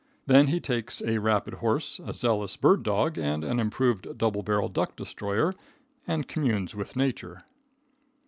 Then he takes a rapid horse, a zealous bird dog and an improved double barrel duck destroyer and communes with nature.